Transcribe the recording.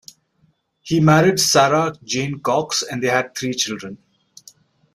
He married Sarah Jane Cox and they had three children.